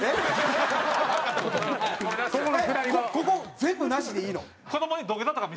ここ全部なしでいいの？